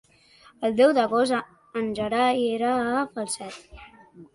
El deu d'agost en Gerai irà a Falset.